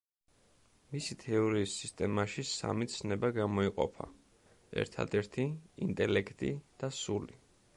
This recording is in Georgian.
მისი თეორიის სისტემაში სამი ცნება გამოიყოფა: ერთადერთი, ინტელექტი და სული.